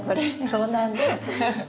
そうなんです。